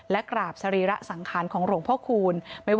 และกราบสรีระสังขารของหลวงพ่อคูณ